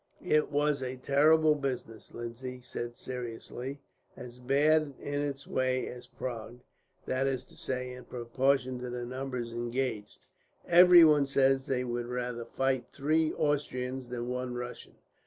"It was a terrible business," Lindsay said seriously. "As bad in its way as Prague, that is to say in proportion to the numbers engaged. Everyone says they would rather fight three Austrians than one Russian.